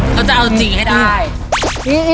เขาจะเอาจริงให้ได้